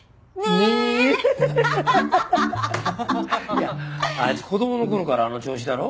いやあいつ子供の頃からあの調子だろ？